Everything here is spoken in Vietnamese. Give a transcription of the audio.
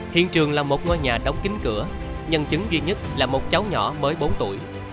hiện trường là một ngôi nhà đóng kín cửa nhân chứng duy nhất là một cháu nhỏ mới bốn tuổi